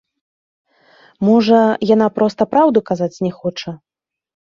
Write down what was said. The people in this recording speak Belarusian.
Можа, яна проста праўду казаць не хоча?